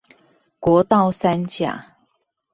國道三甲